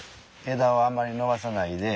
枝をあんまり伸ばさないで。